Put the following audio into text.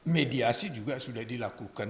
mediasi juga sudah dilakukan